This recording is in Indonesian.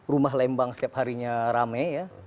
rumah lembang setiap harinya rame ya